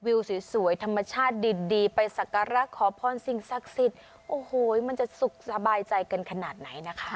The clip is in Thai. วิวสวยธรรมชาติดีไปสักการะขอพรสิ่งศักดิ์สิทธิ์โอ้โหมันจะสุขสบายใจกันขนาดไหนนะคะ